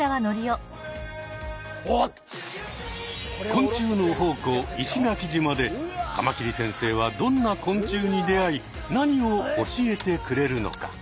昆虫の宝庫石垣島でカマキリ先生はどんな昆虫に出会い何を教えてくれるのか？